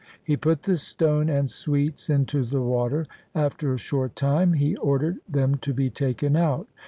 He put the stone and sweets into the water. After a short time he ordered them to be taken out.